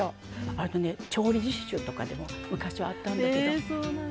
あとね、調理実習とかで昔はあったんだけど。